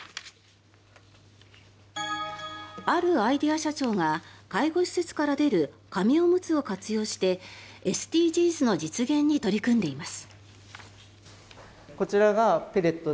あるアイデア社長が介護施設から出る紙おむつを活用してＳＤＧｓの実現に取り組んでいます。